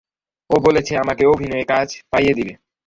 ও বলেছে আমাকে অভিনয়ে কাজ পাইয়ে দিবে।